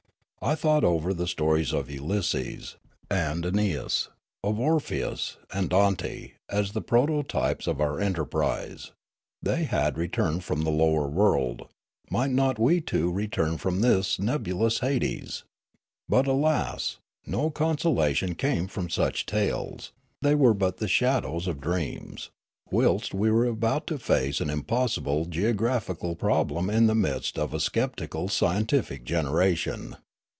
I thought over the stories of Ulysses, and ^neas, of Orpheus, and 15 1 6 Riallaro Dante as the prototypes of our enterprise ; they had returned from the lower world ; might not we too re turn from this nebulous hades ? But alas! no consola tion came from such tales ; they were but the shadows of dreams; whilst we were about to face an impossible geographical problem in the midst of a sceptical scien tific generation.